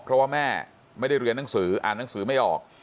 เพราะว่าแม่ไม่ได้เรียนหนังสืออ่านหนังสือไม่ออก